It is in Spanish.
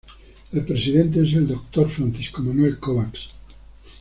El presidente es el doctor Francisco Manuel Kovacs.